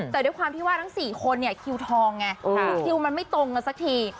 แต่ด้วยความที่ว่าทั้ง๔คนเนี่ยคิวทองไงคือคิวมันไม่ตรงกันสักที